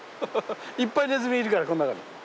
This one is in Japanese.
いっぱいネズミいるからこん中に。